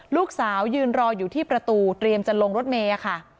ลูกสาวยืนรออยู่ที่ประตูเตรียมจะลงรถเมย์ค่ะ